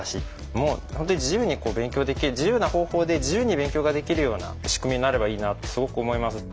もう本当に自由に勉強できる自由な方法で自由に勉強ができるような仕組みになればいいなってすごく思います。